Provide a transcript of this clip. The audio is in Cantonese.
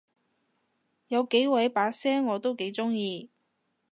有幾位把聲我都幾中意